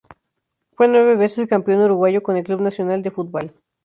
Fue nueve veces campeón uruguayo con el Club Nacional de Football.